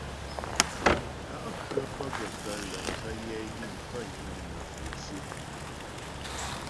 Kà' khə̌ pə́ gaə́ kələ ncwəyɛ yiŋ pə́ yiŋ nə̌fò tsyə.